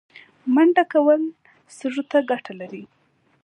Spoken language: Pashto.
منډه کول سږو ته ګټه لري